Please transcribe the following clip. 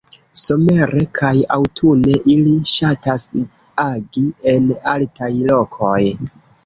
Somere kaj aŭtune ili ŝatas agi en altaj lokoj.